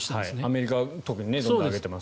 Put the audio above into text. アメリカは特にどんどん上げています。